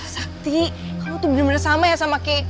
sakti kamu tuh benar benar sama ya sama keh